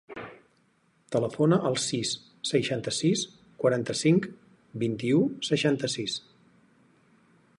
Telefona al sis, setanta-sis, quaranta-cinc, vint-i-u, setanta-sis.